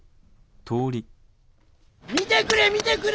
見てくれ見てくれ！